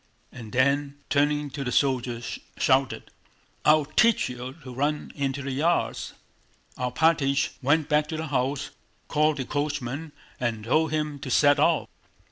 and then, turning to the soldiers, shouted: "I'll teach you to run into the yards!" Alpátych went back to the house, called the coachman, and told him to set off.